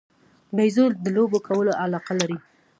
بیزو د لوبو کولو علاقه لري.